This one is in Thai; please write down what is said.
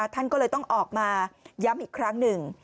ท่านก็เลยต้องออกมาย้ำอีกครั้งหนึ่ง